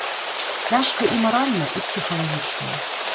Цяжка і маральна, і псіхалагічна.